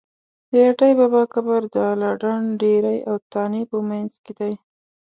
د اټی بابا قبر د اله ډنډ ډېری او تانې په منځ کې دی.